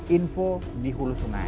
info di hulusung air